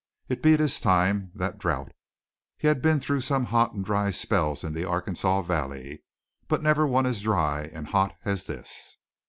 It beat his time, that drouth. He had been through some hot and dry spells in the Arkansaw Valley, but never one as dry and hot as this.